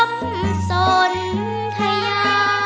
เมื่อสุริยนต์ยำสนทะยา